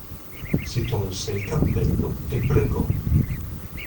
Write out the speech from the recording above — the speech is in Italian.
Si tolse il cappello e pregò.